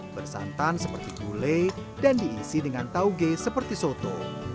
bersantan seperti gulai dan diisi dengan tauge seperti soto